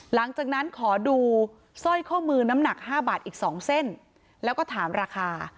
หลังจากนั้นขอดูสร้อยข้อมือน้ำหนัก๕บาทอีก๒เส้นแล้วก็ถามราคา